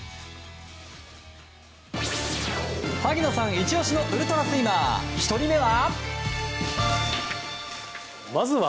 イチ押しのウルトラスイマー、１人目は。